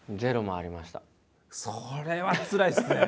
それはつらいですね。